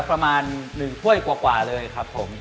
ประมาณ๑ถ้วยกว่าเลยครับผม